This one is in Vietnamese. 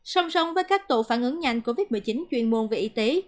song song với các tổ phản ứng nhanh covid một mươi chín chuyên môn về y tế